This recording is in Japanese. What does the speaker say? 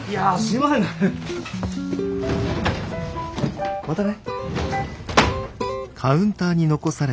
またね。